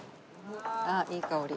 あっいい香り。